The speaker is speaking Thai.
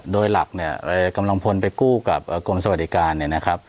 โดยหลักเนี่ยกำลังพลไปกู้กับกรมสวัสดิการเนี่ยนะครับ